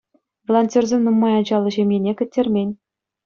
Волонтерсем нумай ачаллӑ ҫемьене кӗттермен.